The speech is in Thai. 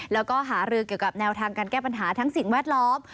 แล้วก็หารือเกี่ยวกับแนวทางการแก้ปัญหาทั้งสิ่งแวดล้อม